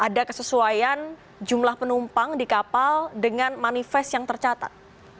ada kesesuaian jumlah penumpang di kapal dengan manifest yang tercatat